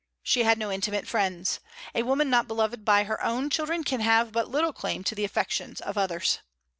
She had no intimate friends. "A woman not beloved by her own children can have but little claim to the affections of others."